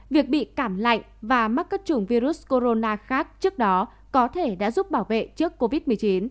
việc bị cảm lạnh và mắc các chủng virus corona khác trước đó có thể đã giúp bảo vệ trước covid một mươi chín